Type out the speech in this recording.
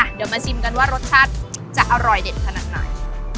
เดี๋ยวมาชิมกันว่ารสชาติจะอร่อยเด็ดขนาดไหน